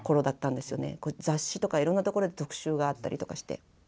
雑誌とかいろんなところで特集があったりとかして。